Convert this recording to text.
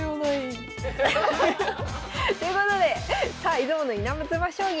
ということでさあ「出雲のイナズマ将棋」